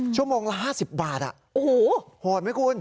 ชั่วโมงละห้าสิบบาทโหดไหมคุณ